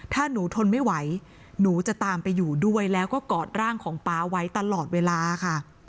ถ้าหนูทนไม่ไหวหนูจะตามไปอยู่ด้วยแล้วก็กอดร่างของป๊าไว้ตลอดเวลาค่ะ